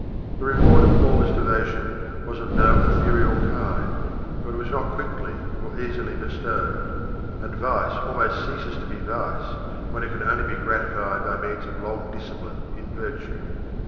The reward of all this devotion was of no ethereal kind, but it was not quickly or easily bestowed; and vice almost ceases to be vice when it can only be gratified by means of long discipline in virtue.